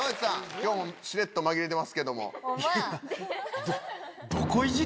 今日もしれっと紛れてますけども。